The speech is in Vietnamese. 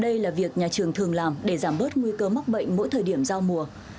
đây là việc nhà trường thường làm để giảm bớt nguy cơ mắc bệnh mỗi thời điểm giao mùa